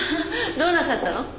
どうなさったの？